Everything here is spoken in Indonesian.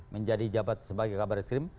menjadi jabat sebagai kabar reskrim